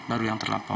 baru yang terlaporkan